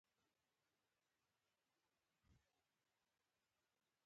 خو هغې لا وختي شیدې تومنه کړي وو.